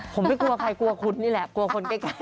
คุณนี่คุณนายเออระวังกันหน่อยนะครับ